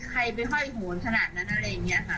ใครไปห้อยโหนขนาดนั้นอะไรอย่างนี้ค่ะ